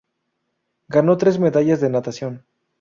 Ganó tres medallas de natación.